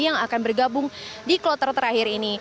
yang akan bergabung di kloter terakhir ini